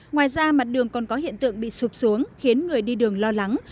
ngoài ra mặt đường còn có hiện tượng bị sụp xuống khiến người đi đường lo lắng